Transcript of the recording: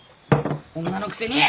女のくせに！